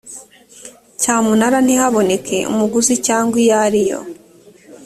cyamunara ntihaboneke umuguzi cyangwa iyo ari